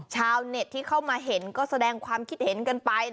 ชาวเน็ตที่เข้ามาเห็นก็แสดงความคิดเห็นกันไป